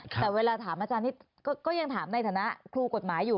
แต่เวลาถามอาจารย์นิดก็ยังถามในฐานะครูกฎหมายอยู่